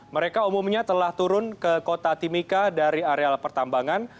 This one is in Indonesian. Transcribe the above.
mereka umumnya telah turun ke kota timika dari areal pertambangan